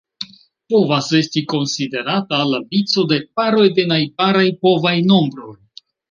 Povas esti konsiderata la vico de paroj de najbaraj povaj nombroj.